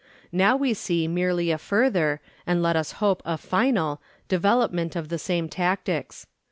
Now we see merely a further, and let us hope a final, development of the same tactics.